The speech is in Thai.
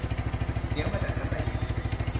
เสียงมาจากชั้นใต้ดิน